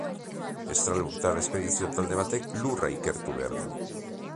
Estralurtar espedizio talde batek Lurra ikertu behar du.